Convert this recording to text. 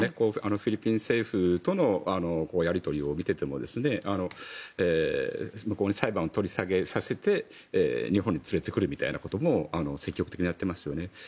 フィリピン政府とのやり取りを見ていても向こうの裁判を取り下げさせて日本に連れてくるみたいなことも積極的にやっていますよね。